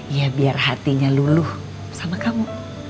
ya biar hatinya luluh sama kamu